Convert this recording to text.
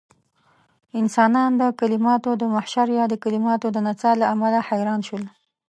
انسانان د کليماتو د محشر يا د کليماتو د نڅاه له امله حيران شول.